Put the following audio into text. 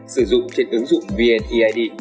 sử dụng trên ứng dụng vneid